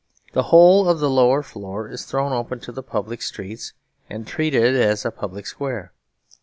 The whole of the lower floor is thrown open to the public streets and treated as a public square.